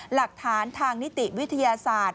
หลักฐานทางนิติวิทยาศาสตร์